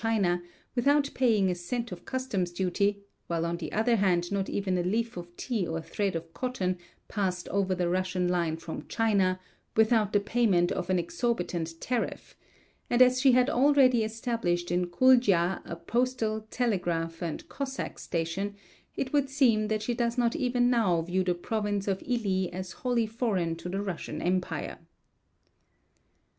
China, without paying a cent of customs duty, while on the other hand not even a leaf of tea or thread of cotton passed over the Russian line from China without the payment of an exorbitant tariff; and as she had already established in Kuldja a postal, telegraph, and Cossack station, it would seem that she does not even now view the province of Hi as wholly foreign to the Russian empire.